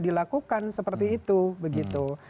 dilakukan seperti itu begitu